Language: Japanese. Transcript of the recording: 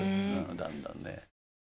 だんだんね。